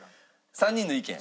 ３人の意見！